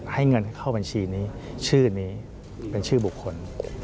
ให้เงินเข้าบัญชีนี้ชื่อนี้เป็นชื่อบุคคล